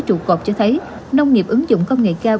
trụ cột cho thấy nông nghiệp ứng dụng công nghệ cao